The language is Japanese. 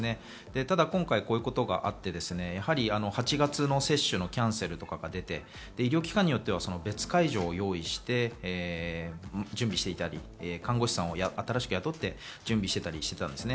ただ今回こういうことがあって、８月の接種のキャンセルとかが出て、医療機関によっては別会場を用意して準備していたり、看護師さんを新しく雇って準備していたりしたんですね。